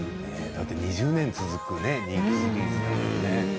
２０年続く人気シリーズですからね。